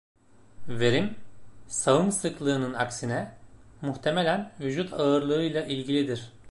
Verim, sağım sıklığının aksine, muhtemelen vücut ağırlığıyla ilgilidir.